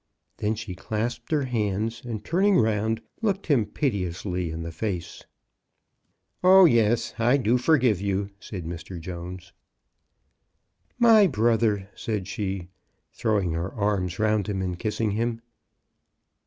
Then she clasped her hands, and, turning round, looked him piteouslyin the face. 0h, yes ; I do forgive you," said Mr. Jones. "My brother," said she, throwing her arms round him and kissing him.